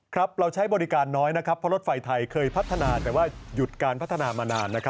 เราใช้บริการน้อยนะครับเพราะรถไฟไทยเคยพัฒนาแต่ว่าหยุดการพัฒนามานาน